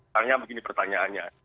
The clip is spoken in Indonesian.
tanya begini pertanyaannya